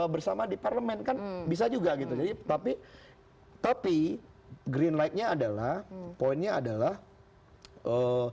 bersama di parlemen kan bisa juga gitu sih tapi tapi green light nya adalah poinnya adalah oh